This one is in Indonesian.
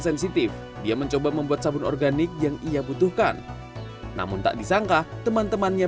sensitif dia mencoba membuat sabun organik yang ia butuhkan namun tak disangka teman temannya